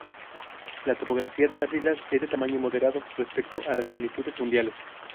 La topografía de las islas es de tamaño moderado respecto a las magnitudes mundiales.